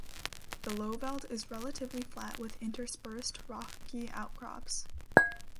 The Lowveld is relatively flat with interspersed rocky outcrops.